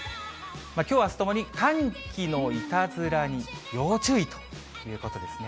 きょう、あすともに寒気のいたずらに要注意ということですね。